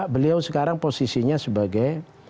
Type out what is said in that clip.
beliau sekarang posisinya sebagai